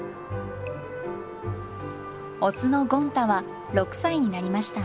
オスのゴン太は６歳になりました。